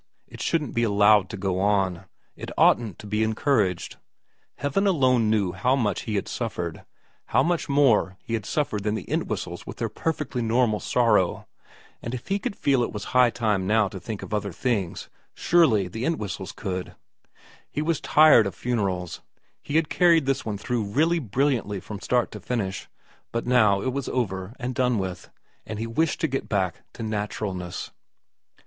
It shouldn't be allowed to go on, it oughtn't to be en couraged. Heaven alone knew how much he had suffered, how much more he had suffered than the Entwhistles with their perfectly normal sorrow, and if he could feel it was high time now to think of other things surely the Entwhistles could. He was tired of iv VERA 43 funerals. He had carried this one through really brilliantly from start to finish, but now it was over and done with, and he wished to get back to naturalness.